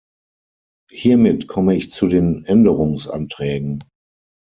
Hiermit komme ich zu den Änderungsanträgen.